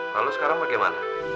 lalu sekarang bagaimana